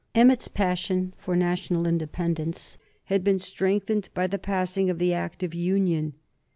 Emmet's passion for national independence had been strengthened by the passing of the Act of Union.